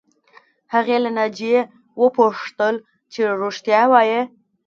هغې له ناجیې وپوښتل چې رښتیا وایې